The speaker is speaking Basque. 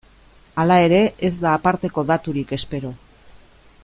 Hala ere, ez da aparteko daturik espero.